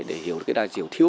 để hiểu được cái đa chiều thiếu